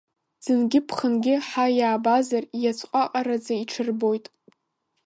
Ӡынгьы-ԥхынгьы, ҳа иаабазар, ииаҵәҟаҟараӡа иҽырбоит.